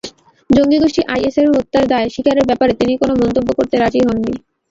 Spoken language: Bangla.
জঙ্গিগোষ্ঠী আইএসের হত্যার দায় স্বীকারের ব্যাপারে তিনি কোনো মন্তব্য করতে রাজি হননি।